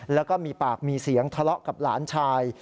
แล้วก็มีปากมีเสียงทะเลาะกับหลานชาย